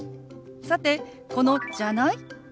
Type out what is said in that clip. さてこの「じゃない？」。